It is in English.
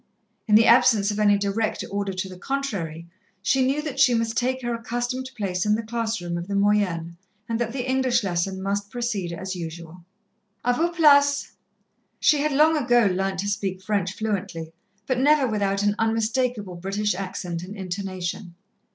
In the absence of any direct order to the contrary, she knew that she must take her accustomed place in the class room of the moyennes, and that the English lesson must proceed as usual. "A vos places." She had long ago learnt to speak French fluently, but never without an unmistakable British accent and intonation.